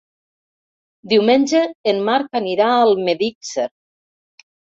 Diumenge en Marc anirà a Almedíxer.